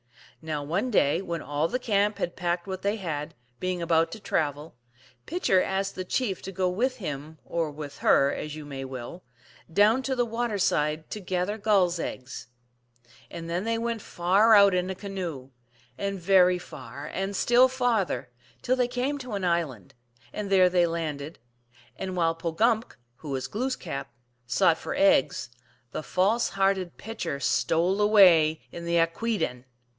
Now, one day when all the camp had packed what they .had, being about to travel, Pitcher asked the chief to go with him, or with her, as you may will, down to the water side to gather gulls eggs. And then they went far out in a canoe, and very far, and still farther, till they came to an island, and there they landed, and while Pogumk (who was Glooskap) sought for eggs, the false hearted Pitcher stole away in the akwSden (P.